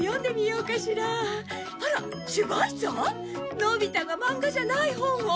のび太が漫画じゃない本を。